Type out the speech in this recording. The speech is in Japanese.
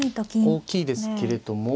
大きいですけれども。